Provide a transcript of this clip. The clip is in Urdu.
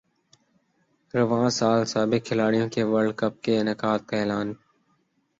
رواں سال سابق کھلاڑیوں کے ورلڈ کپ کے انعقاد کا اعلان